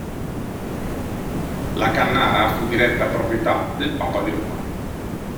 La Cannara fu diretta proprietà del Papa di Roma.